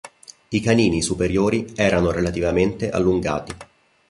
I canini superiori erano relativamente allungati.